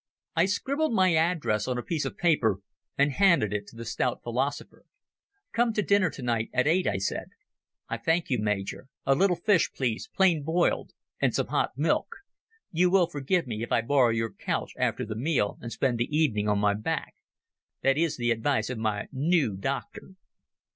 I scribbled my address on a piece of paper and handed it to the stout philosopher. "Come to dinner tonight at eight," I said. "I thank you, Major. A little fish, please, plain boiled, and some hot milk. You will forgive me if I borrow your couch after the meal and spend the evening on my back. That is the advice of my noo doctor."